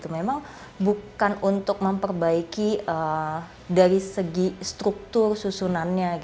memang bukan untuk memperbaiki dari segi struktur susunannya